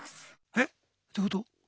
えっどういうこと？